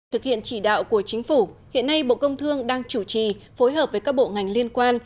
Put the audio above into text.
thực hiện chỉ đạo của chính phủ hiện nay bộ công thương đang chủ trì phối hợp với các bộ ngành liên quan